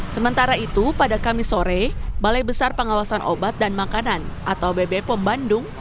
sementara itu pada kamis sore balai besar pengawasan obat dan makanan atau bb pom bandung